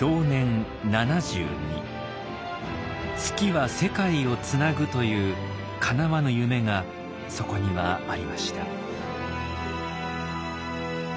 「数寄は世界をつなぐ」というかなわぬ夢がそこにはありました。